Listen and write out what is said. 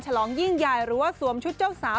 ฉลองยิ่งใหญ่หรือว่าสวมชุดเจ้าสาว